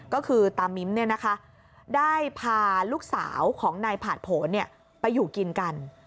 ก็คือตามิ้มได้พาลูกสาวของนายผ่านผลไปอยู่กินกัน